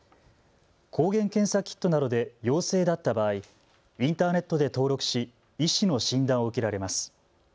抗原検査キットなどで陽性だった場合、インターネットで登録し医師の診断を受けられます。